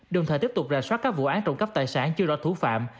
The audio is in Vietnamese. đồng thời tiếp tục rà soát các vụ án trộm cắp tài sản chưa rõ thủ phạm